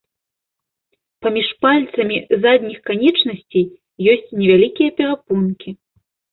Паміж пальцамі задніх канечнасцей ёсць невялікія перапонкі.